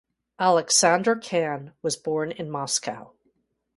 Aleksander Kan was born in Moscow.